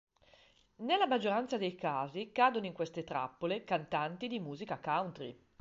Nella maggioranza dei casi cadono in queste trappole cantanti di musica country.